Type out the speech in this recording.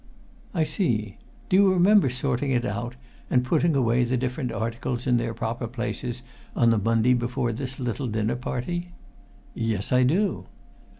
"I see. Do you remember sorting it out and putting away the different articles in their proper places on the Monday before this little dinner party?" "Yes, I do."